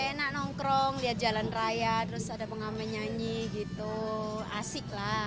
enak nongkrong lihat jalan raya terus ada pengamen nyanyi gitu asik lah